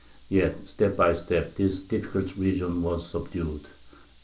Yet step by step this difficult region was subdued.